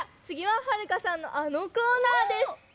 つぎははるかさんのあのコーナーです。